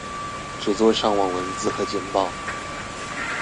只做上網文字和簡報